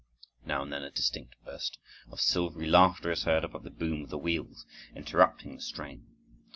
Now and then a distinct burst of silvery laughter is heard above the boom of the wheels, interrupting the strain.